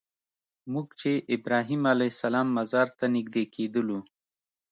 موږ چې ابراهیم علیه السلام مزار ته نږدې کېدلو.